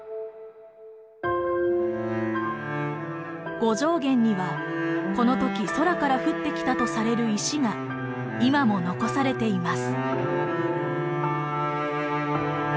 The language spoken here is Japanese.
五丈原にはこの時空から降ってきたとされる石が今も残されています。